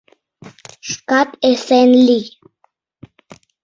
— Шкат эсен лий!